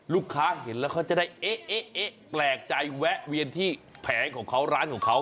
ลูกค้าเห็นแล้วเขาจะได้เอ๊ะแปลกใจแวะเวียนที่แผงของเขาร้านของเขา